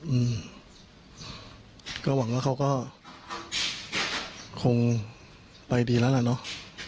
อืมก็หวังว่าเขาก็คงไปดีแล้วล่ะเนอะ